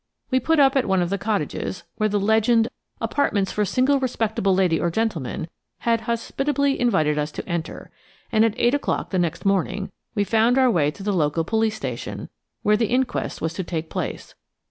We put up at one of the cottages, where the legend "Apartments for single respectable lady or gentleman" had hospitably invited us to enter, and at eight o'clock the next morning we found our way to the local police station, where the inquest was to take place.